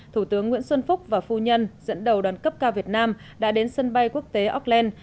thủ tướng nguyễn xuân phúc và phu nhân dẫn đầu đoàn cấp cao việt nam đã đến sân bay quốc tế auckland